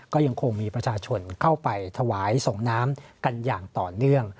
ก็ยังคงมีประชาชนเข้าไปถวายส่งน้ำกันอย่างต่อเนื่อง